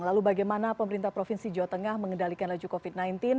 lalu bagaimana pemerintah provinsi jawa tengah mengendalikan laju covid sembilan belas